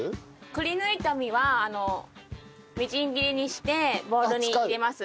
くり抜いた身はみじん切りにしてボウルに入れます。